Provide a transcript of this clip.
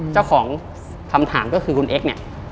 เจ้าของคำถามก็คือคุณเอ็กซ์เนี่ย